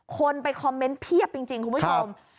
คนไปคอมเมนต์เพียบจริงคุณผู้ชม